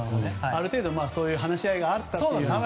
ある程度、そういう話し合いがあったという。